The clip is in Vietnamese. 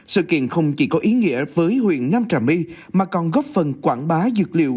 sự kiện không chỉ có ý nghĩa với huyện nam trà my mà còn góp phần quảng bá dược liệu